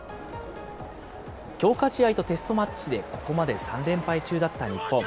強化試合とテストマッチでここまで３連敗中だった日本。